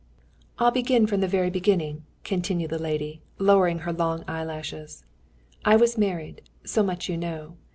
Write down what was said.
"I'll begin from the very beginning," continued the lady, lowering her long eyelashes. "I was married. So much you know.